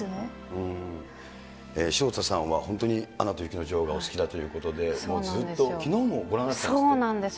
潮田さんは本当にアナと雪の女王がお好きだということで、もうずっと、きのうもご覧になってたんですって？